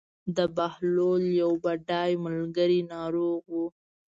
د بهلول یو بډای ملګری ناروغ و.